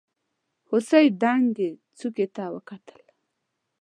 هوسۍ دنګې څوکې ته وکتل.